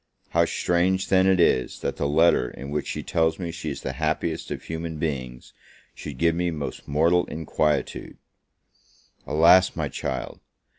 How strange, then, is it, that the letter in which she tells me she is the happiest of human beings, should give me most mortal inquietude! Alas, my child!